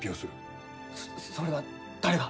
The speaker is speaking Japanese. そそれは誰が？